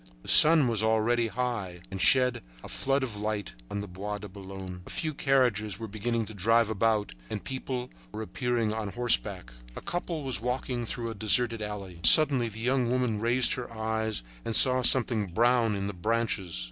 The sun was already high and shed a flood of light on the Bois de Boulogne. A few carriages were beginning to drive about and people were appearing on horseback. A couple was walking through a deserted alley. Suddenly the young woman raised her eyes and saw something brown in the branches.